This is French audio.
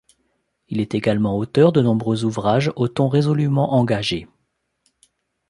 Il est également auteur de nombreux ouvrages au ton résolument engagé.